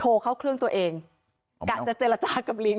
เข้าเครื่องตัวเองกะจะเจรจากับลิง